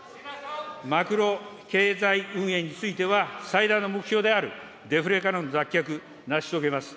マクロ経済運営については、最大の目標であるデフレからの脱却、成し遂げます。